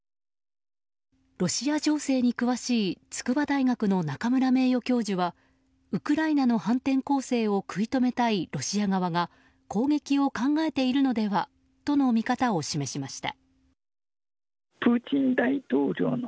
ロシア情勢に詳しい筑波大学の中村名誉教授はウクライナの反転攻勢を食い止めたいロシア側が攻撃を考えているのではとの見方を示しました。